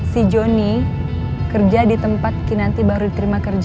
si joni kerja di tempat kinanti baru diterima kerja